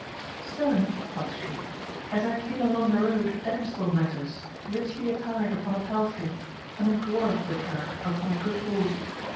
Sir, quoth she, as I came along the road a damsel met us, richly attired upon a palfrey, and a dwarf with her upon a good horse.